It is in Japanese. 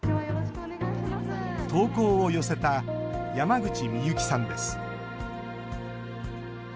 投稿を寄せた山口みゆきさんです。